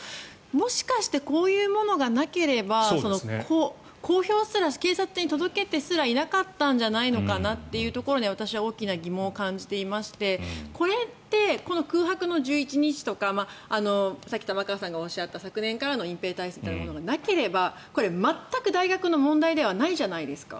もしかしてこういうものがなければ公表すら警察に届けてすらいなかったんじゃないかというところで私は大きな疑問を感じていましてこれってこの空白の１１日とかさっき玉川さんがおっしゃった昨年からの隠ぺい体質がなければ全く、大学の問題ではないじゃないですか。